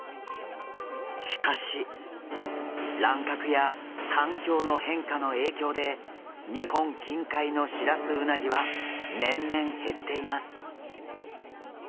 しかし乱獲や環境の変化の影響で日本近海のシラスウナギは年々減っています。